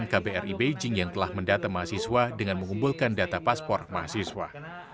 kbri beijing yang telah mendata mahasiswa dengan mengumpulkan data paspor mahasiswa